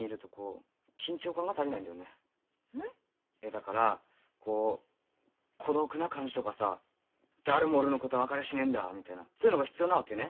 だからこう孤独な感じとかさぁ「誰も俺のことは分かりゃしねえんだ」みたいなそういうのが必要なわけね。